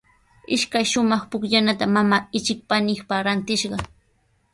Ishkay shumaq pukllanata mamaa ichik paniipaq rantishqa.